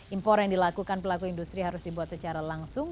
impor yang dilakukan pelaku industri harus dibuat secara langsung